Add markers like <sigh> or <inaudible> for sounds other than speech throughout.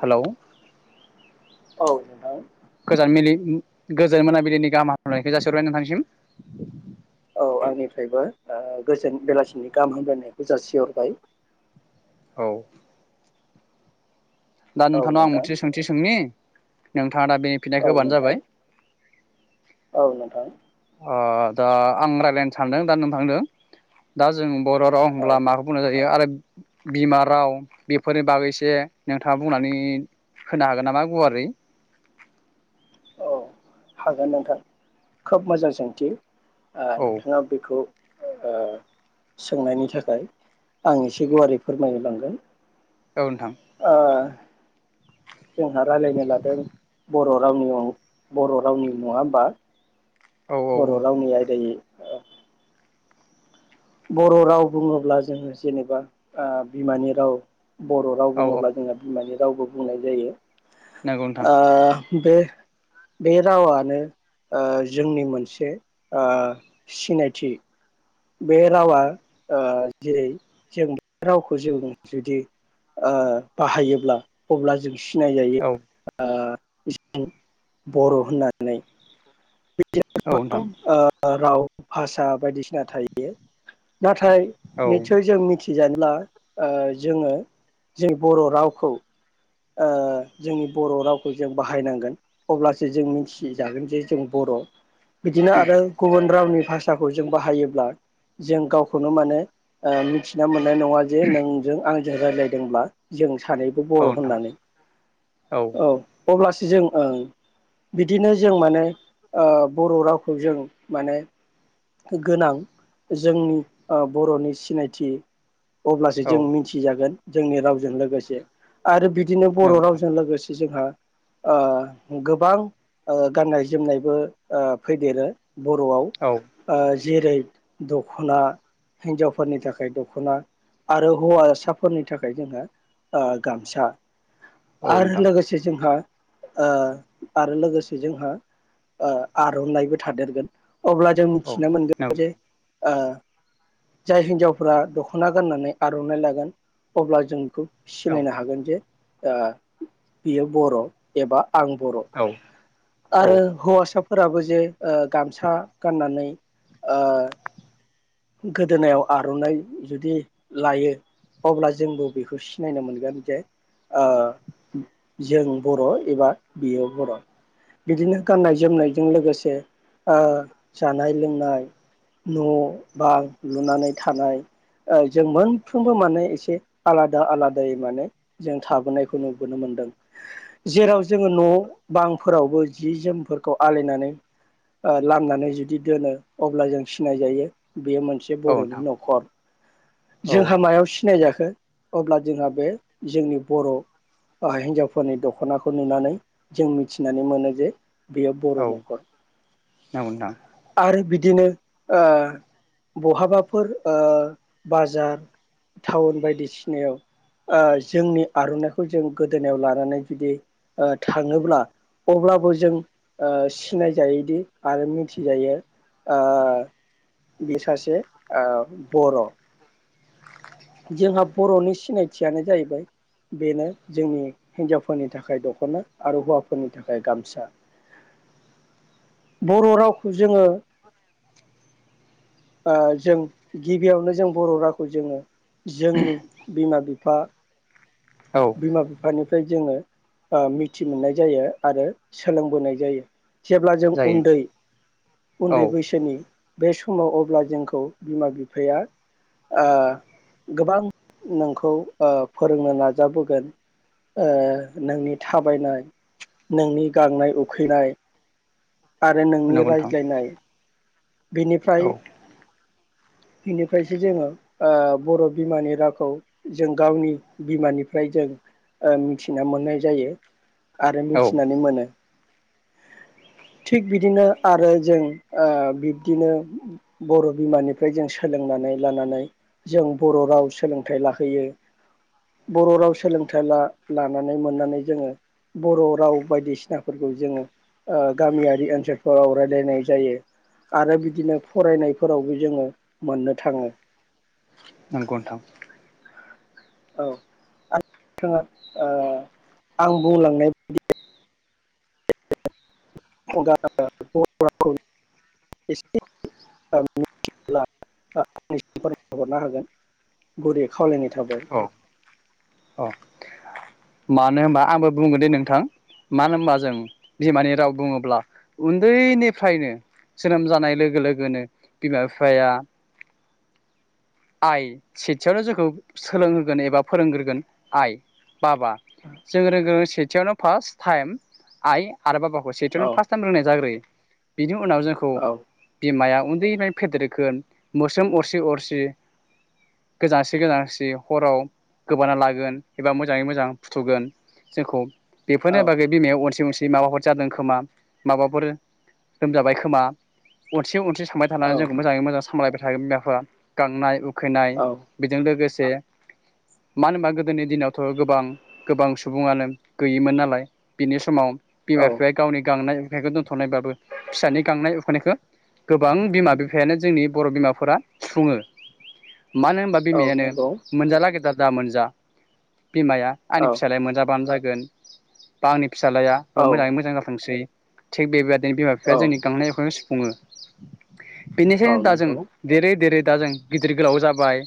Hello औ नोंथां गोजान मिलि गोजोन मोनाबिलिनि गाहाम हामलायनायखौ जासिहरबाय नोंथांनिसिम औ आंनिफ्रायबो ओ गोजोन बेलासिनि गाहाम हामलायनाय खौजासिहरबाय औ। दा औ नोंथांनाव आं नोंथां मोनसे सोंथि सोंनि। नों थाङा दा बे औ फिननायखौ होबानो नोंथां जाबाय। औ नोंथां। ओ दा आं रायलायनो सानदों दा नोंथांदों दा जों बर' राव औ होनब्ला माखौ बुंनाय जायो? आरो बिमा राव बेफोरनि बागैसे नोंथाङा बुंनानै होनो हागोन नामा गुवारै? औ हागोन नोंथां खोब मोजां सोंथि। ओ औ नोंथाङा बेखौ ओ सोंनायनि थाखाय आं एसे गुवारै फोरमायनो लांगोन। औ नोंथां ओ जोंहा रायलायनो लादों बर' रावनियाव बर' रावनि नङा होमबा? औ औ बर' रावनि आयदायै बर' राव बुङोब्ला जोङो जेनेबा ओ बिमानि राव बर' राव औ औ बुङोब्ला जोंहा बिमानि रावबो बुंनाय जायो। नंगौ नोंथां आ बे बे रावानो ओ जोंनि मोनसे ओ सिनायथि। बे रावा ओ जेरै जों बे रावखौ जों जुदि ओ बाहायोब्ला अब्ला जों सिनाय जायो औ ओ बर' होननानै बिदिनो औ गोबां नोंथां ओ राव भाषा बायदिसिना थायो। नाथाय औ निसय जों मिथि जेनेबा ओ जोङो जि बर' रावखौ ओ जोंनि बर' रावखौ जों बाहायनांगोन अब्ला सो जों मिथिजागोन जे जों बर'। बिदिनो आरो गुबुन रावनि भाषाखौ जों बाहायोब्ला जों गावखौनो माने ओ मिथिना मोना नाय नङा जे नोंजों आंजों रायज्लायदोंब्ला जों सानैबो औ बर'। <unintelligible> नोंथां औ औ अब्लासि जों ओ बिदिनो जों माने ओ बर' रावखौ जों माने गोनां जोंनि ओ बर'नि सिनायथि। अब्लासो औ जों मिथिजागोन। जोंनि राव जों लोगोसे। बिदिनो बर' नंगौ नोंथां रावजों लोगोसे। जोंहा ओ गोबां ओ गाननाय जोमनायबो ओ फैदेरो। बर'आव औ ओ जेरै दख'ना हिन्जावफोरनि थाखाय दख'ना आरो हौवासाफोरनि थाखाय जोंहा ओ गामसा। औ आरो नोंथां लोगोसे जोंहा ओ आरो लोगोसे जोंहा ओ आर'नाइबो थादेरगोन। अब्ला जों औ मिथिना नंगौ मोनगोन जे। नोंथां ओ जाय हिन्जावफोरा दख'ना गाननानै आर'नाइ लागोन अब्ला जों बेखौ सिनायनो औ हागोन जे बियो बर' एबा आं बर' औ औ आरो हौवासा फोराबो जे ओ गामसा गाननानै ओ गोदोनायाव आर'नाइ जुदि लायो अब्ला जोंबो बेखौ सिनायनो मोनगोन जे ओ जों बर' एबा बियो बर' बिदिनो गाननाय जोमनायजों लोगोसे ओ जानाय लोंनाय न' बां लुनानै थानाय जों मोनफ्रोमबो माने एसे आलादा आलादायै माने जों थाबोनायखौ नुबोनो मोनदों जेराव जोङो न' बांफोरावबो जि जोमफोरखौ आलायनानै ओ लामनानै जुदि दोनो अब्ला जों सिनाय जायो। बेयो मोनसे औ बर'नि नोंथां न'खर औ जोंहा मायाव सिनाय जाखो अब्ला जोंहा बे जोंनि बर' हिनजावफोरनि दख'नाखौ नुनानै जों मिथिनानै मोनो जे बेयाव बर औ नखर नंगौ नोंथां आरो बिदि बिदिनो ओ बहाबाफोर ओ बाजार टाउन बायदिसिनायाव ओ जोंनि आरनाइखौ जों गोदोनायाव लानानै जुदि ओ थाङोब्ला अब्लाबो जों ओ सिनायजायोदि आरो मिथिजायो ओ बे सासे ओ बर' । जोंहा बरनि सिनायथियानो जाहैबाय बेनो जोंनि हिनजावफोरनि थाखाय दखना आरो हौवाफोरनि थाखाय गामसा बर रावखौ जोङो ओ जों गिबियावनो जों बर रावखौ जोङो जोंनि बिमा बिफा औ बिमा बिफानि <unintelligible> जोङो ओ मिथि मोननाय जायो आरो सोलोंबोनाय जायो । जेब्ला जों जायो नोंथां उन्दै उन्दै औ बैसोनि बे समाव अब्ला जोंखौ बिमा बिफाया ओ गोबां नोंखौ ओ फोरोंनो ना जाबोगोन ओ नोंनि थाबायनाय नोंनि गांनाय उखैनाय आरो नोंनि नंगौ नोंथां रायज्लायनाय बिनिफ्राय औ इनिफ्रायसो जोङो ओ बर' बिमानि रावखौ जों गावनि बिमानिफ्राय जों ओ मिथिना मोननाय जायो । आरो औ मिथिनानै मोनो । थिग बिदिनो आरो जों ओ बि दिनो बर' बिमानिफ्राय जों सोलोंनानै लानानै जों बर' राव सोलोंथाइ लाहैयो बर' राव सोलोंथाइ ला लानानै मोननानै जोङो बर' राव बायदिसिनाफोरखौ जोङो ओ गामियारि ओनसोलफोराव रायलायनाय जायो । आरो बिदिनो फरायनायफोरावबो जोङो मोननो थाङो । नंगौ नोंथां औ थाङा ओ आं बुंलांनाय <unintelligible> <inaudible> हरनो हागोन गुरै खावलायनाय थाबाय । औ औ मानो ओमबा आंबो बुंगोन दे नोंथां मानो ओमबा जों बिमानि राव बुङोब्ला उन्दैनिफ्रायनो जोनोम जानाय लोगो लोगोनो बिमा बिफाया आइ सेथियावनो जोंखौ सोलोंहोगोन एबा फोरोंग्रोगोन आइ । बाबा जों रोंगोन सेथियावनो फार्स्ट टाइम आइ । आरो बाबाखौ सेथियावनो औ फार्स्ट टाइम रोंनाय जाग्रोयो । बिनि उनाव जोंखौ औ बिमाया उन्दैनिफायनो <unintelligible> मोस्रोम अरसि अरसि गोजांसि गोजांसि हराव गोबाना लागोन एबा मो जाङै मोजां फुथुगोन जोंखौ । औ बेफोरनि बागै बिमायाव अनसि अनसि बि माबाफोर जादों खोमा माबाफोर लोमजाबाय खोमा अनसि अनसि थांबाय थाना औ जोंखौ मोजाङै मोजां सामलायबाय <unintelligible> गांनाय उ खैनाय औ बेजों लोगोस दे मानो ओमबा गोदोनि दिनाव थ गोबां गोबां सुबुङानो गैयोमोन नालाय बिनि समाव बिमा औ बिफाया गावनि गांनाय <unintelligible> दोन्थनायबाबो फिसानि गांनाय उखैनायखौ गोबां बिमा बिफायानो जोंनि बर' बिमाफोरा सुफुङो । मानो होमबा औ बिमायानो नंगौ मोनजालागै दा दा मोनजा । बिमाया आंनि औ फिसालाया मोनजाबानो जाग गोन बा आंनि फिसालाया औ मोजाङै मोजां जाथोंसै थिग बेबाय <unintelligible> बिमा बिफाया औ जोंनि गांनाय उखैनाय सु फुङो। औ बेनिखायनो दा जों नंगौ देरै देरै दा जों गिदिर गोलाव जाबाय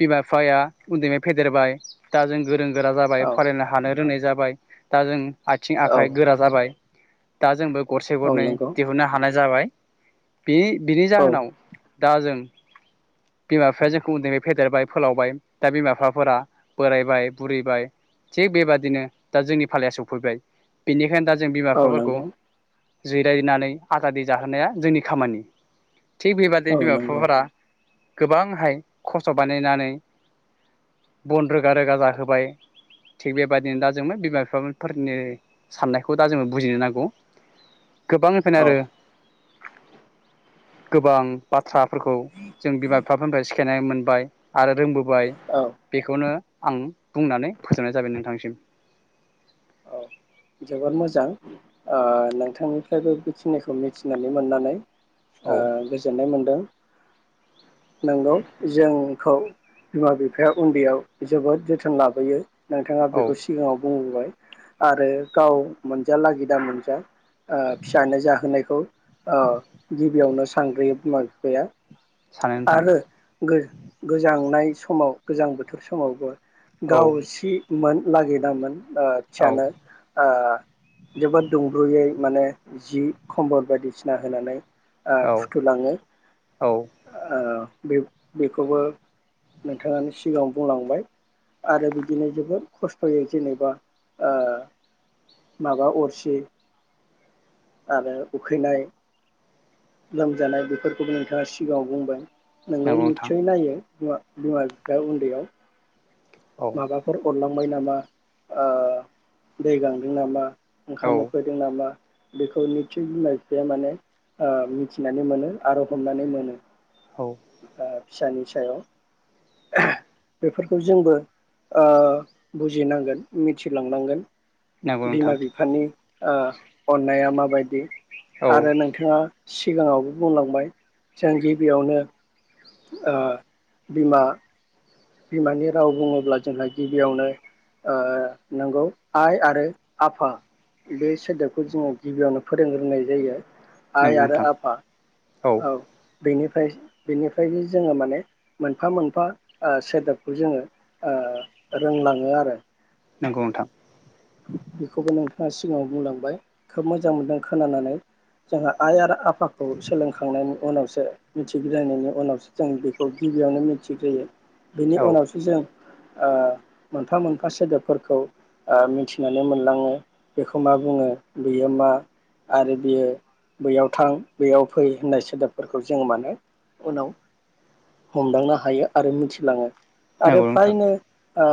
बिमा बिफाया उन्दैनिफ्राय फेदेरबाय दा जों गोरों गोरा जाबाय औ फरायनो हानो रोंनाय जाब बाय दा जों आथिं औ आखाइ गोरा जाबाय दा जोंबो गरसे औ गरनै नंगौ दिहुननो हानाय जाबाय। बे बिनि औ जाहोनाव दा जों बिमा बिफाया जोंखौ उन्दैनिफ्राय फेदेरबाय फोलावबाय दा बिमा बिफाफोरा बोरायबाय बुरिबाय थिग बेबादिनो दा जोंनि फालाया सफैबाय बेनिखायनो दा जों बिमा औ बिफाफोरखौ नंगौ जिरायनानै आजादि जाहोनाया जोंनि खामानि। थिग बेबादि औ नंगौ फिफाफोरा गोबांहाय खस्थ' बानायनानै बन रोगा रोगा जाहोबाय थिग बेबायदिनो दा जोंङो बिमा बिफाफोर फारथिनाय जायो साननायखौ दा जोङो बुजिनो नांगौ। गोबां औ फैनारो गोबां बाथ्राफोरखौ जों बिमा बिफाफोरनिफ्राय सिखायनाय मोनबाय आरो रोंबोबाय औ बेखौनो आं बुंनानै फोजोबनाय जाबाय नोंथांसिम। औ जोबोर मोजां ओ नोंथांनिफ्रायबो बेखिनिखौ मिथिनानै मोननानै ओ औ गोजोननाय मोनदों। नंगौ जोंखौ बिमा बिफाया उन्दैयाव जोबोद जोथोन लाबोयो नोंथाङा औ बेखौ सिगाङाव बुं बाय आरो गाव मोनजालागि दा मोनजा ओ फिसानो जाहोनायखौ ओ गिबियावनो सानग्रोयो बिमा बिफाया। सानो नोंथां आरो गो-गोजांनाय समाव गोजां बोथोर समावबो औ गाव सिमोन लागि दामोन ओ औ फिसानो ओ जोबोद दुंब्रुयै माने जि खम्बल बायदिसिना होनानै ओ औ फुथुलाङो औ ओ बे-बेखौबो नोंथाङानो सिगाङाव बुंलांबाय आरो बिदिनो जोबोद खस्थ'यै जेनेबा ओ माबा अरसि आरो उखैनाय लोमजानाय बेफोरखौबो नोंथाङा सिगाङाव बुंबाय नोंगौ नंगौ नोंथां निचय नायो ना बिमा बिफाया उन्दैयाव औ माबाफोर अरलां बाय नामा ओ दै गांदों नामा औ ओंखाम उखैदों नामा बेखौ निसय बिमा बिफाया माने ओ मिथिनानै मोनो आरो हमनानै मोनो औ <unintelligible> फिसानि सायाव बेफोरखौ जोंबो ओ बुजिनांगोन मिथिलांनांगोन नंगौ बिमा नोंथां बिफानि ओ अननाया माबायदि औ आरो नोंथाङा सिगाङावबो बुंलांबाय जों गिबियावनो ओ बिमा बिमानि राव बुङोब्ला जोंहा गिबियावनो ओ नंगौ आइ आरो आफा बे सोदोबखौ जोङो गिबियावनो फोरोंग्रोनाय जायो आइ नंगौ आरो नोंथां आफा औ बेनि फ्राय बेनिफ्राय जोङो माने मोनफा मोनफा ओ सोदोबखौ जोङो ओ रोंलाङो आरो नंगौ नोंथां बेखौबो नोंथाङा सिगाङाव बुंलांबाय खोब मोजां मोनदों खोनानानै जोंहा आइ आरो आ फाखौ सोलोंखांनायनि उनावसो मिथिग्रोनायनि उनावसो जों बेखौ गिबियावनो मिथिग्रोयो बेनि औ उनावसो जों ओ मोनफा मोनफा सोदोबफोरखौ ओ मिथि नानै मोनलाङो बेखौ मा बुङो बेयो मा आरो बियो बैयाव थां बेयाव फै होननाय सोदोबफोरखौ जों माने उनाव हमदांनो हायो आरो मिथिलाङो आरो नंगौ नोंथां फ्रायनो ओ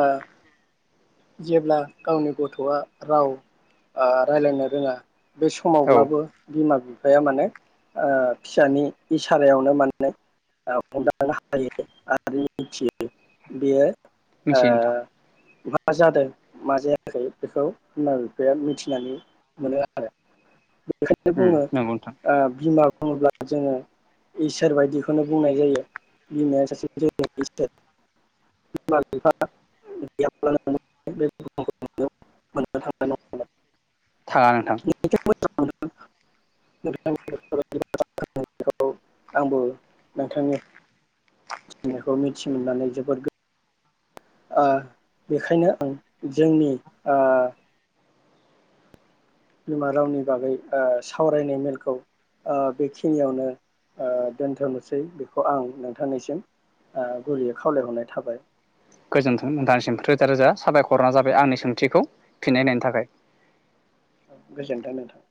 जेब्ला गावनि गथ आ राव ओ रायज्लायनो रोङा बे औ समावब्लाबो बिमा बि फाया माने ओ फिसानि इसारायावनो माने ओ हमदांनो हायो आरो मिथियो बेयो ओ मिथियो नोंथां मा जादों मा जायाखै बेखौ बिमा बिफाया मिथिनानै मोनो आरो बेखायनो उम बुङो नंगौ नोंथां ओ बिमा बुङोब्ला जोङो इसोर बादिखौनो बुंनाय जायो बिमाया सासे जोंनि इसोर बिमा बिफा <unintelligible> <unintelligible> थाङा नोंथां <unintelligible> आंबो नोंथांनि मिथिनायखौ मिथि मोननानै जोबोद गो ओ बेखायनो ओं जोंनि ओ बिमा रावनि बागै सावरायनाय मेलखौ बेखिनियावनो दोनथ'नोसै बेखौ आं नोंथांनिसिम गुरैयै खावलायहरनाय थाबाय । गोजोन्थों नथांसिम रोजा रोजा साबायखरना जाबाय आंनि सोंथिखौ फिननाय होनायनि थाखाय‌ । औ गोजोन्थों नोंथां।